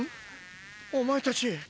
お前たち。